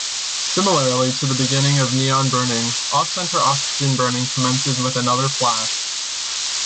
Similarly to the beginning of neon-burning, off-center oxygen-burning commences with another flash.